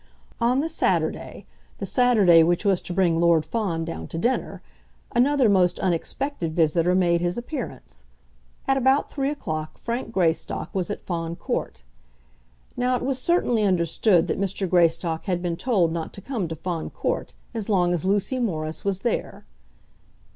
On the Saturday, the Saturday which was to bring Lord Fawn down to dinner, another most unexpected visitor made his appearance. At about three o'clock Frank Greystock was at Fawn Court. Now it was certainly understood that Mr. Greystock had been told not to come to Fawn Court as long as Lucy Morris was there.